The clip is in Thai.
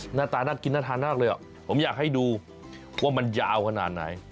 หน้าตาน่ากินน่าทานมากเลยผมอยากให้ดูว่ามันยาวขนาดไหน